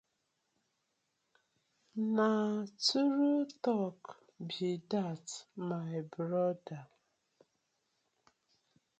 Na true talk be dat my brother.